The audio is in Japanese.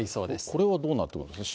これはどうなってくるんですか？